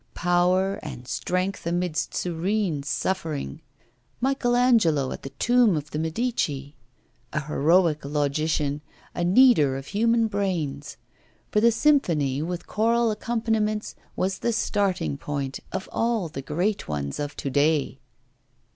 power and strength amidst serene suffering, Michael Angelo at the tomb of the Medici! A heroic logician, a kneader of human brains; for the symphony, with choral accompaniments, was the starting point of all the great ones of to day!